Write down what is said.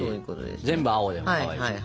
全部青でもかわいいしね。